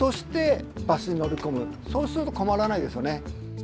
そうすると困らないですよね。